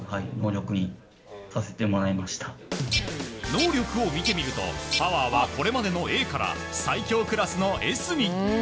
能力を見てみるとパワーはこれまでのＡから最強クラスのＳに。